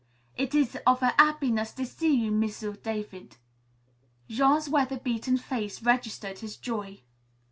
"It is of a 'appiness to see you, M'sieu' David." Jean's weather beaten face registered his joy.